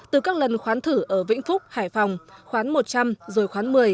từ các lần khoán thử ở vĩnh phúc hải phòng khoán một trăm linh rồi khoán một mươi